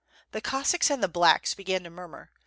The Cossacks and the ''blacks'* began to murmur.